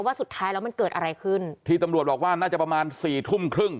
สุดท้ายแล้วมันเกิดอะไรขึ้นที่ตำรวจบอกว่าน่าจะประมาณสี่ทุ่มครึ่ง